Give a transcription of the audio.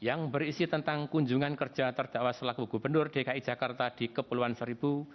yang berisi tentang kunjungan kerja terdakwa selaku gubernur dki jakarta di kepulauan seribu